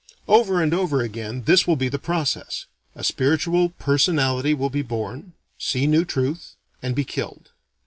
Over and over again, this will be the process: A spiritual personality will be born; see new truth; and be killed.